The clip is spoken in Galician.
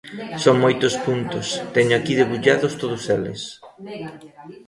Son moitos puntos, teño aquí debullados todos eles.